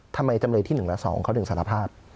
ทำไมจำเลยที่๑และ๒เขาถึงสารภาพ